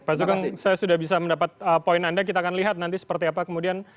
pak sugeng saya sudah bisa mendapat poin anda kita akan lihat nanti seperti apa kemudian